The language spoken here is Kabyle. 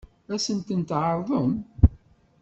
Ad sent-tent-tɛeṛḍem?